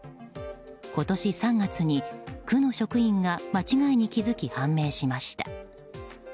今年３月に区の職員が間違いに気づき判明しました。